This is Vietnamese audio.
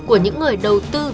của những người đầu tư